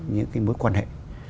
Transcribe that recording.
những cái mối quan hệ